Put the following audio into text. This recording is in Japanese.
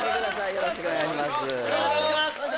よろしくお願いします